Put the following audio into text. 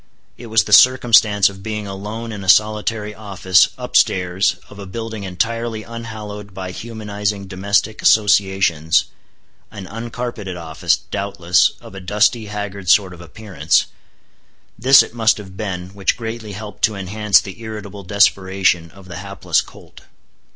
It was the circumstance of being alone in a solitary office, up stairs, of a building entirely unhallowed by humanizing domestic associations—an uncarpeted office, doubtless, of a dusty, haggard sort of appearance;—this it must have been, which greatly helped to enhance the irritable desperation of the hapless Colt.